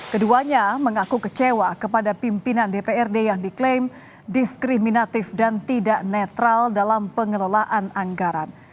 keduanya mengaku kecewa kepada pimpinan dprd yang diklaim diskriminatif dan tidak netral dalam pengelolaan anggaran